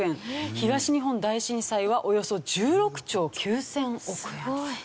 東日本大震災はおよそ１６兆９０００億円。